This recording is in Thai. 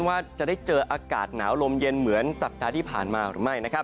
ว่าจะได้เจออากาศหนาวลมเย็นเหมือนสัปดาห์ที่ผ่านมาหรือไม่นะครับ